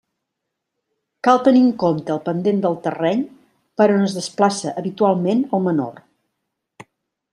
Cal tenir en compte el pendent del terreny per on es desplaça habitualment el menor.